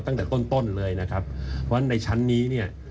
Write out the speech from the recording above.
ตั้งแต่ต้นต้นเลยนะครับเพราะฉะนั้นในชั้นนี้เนี่ย